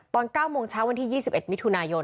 ตอน๙โมงเช้าวันที่๒๑มิถุนายน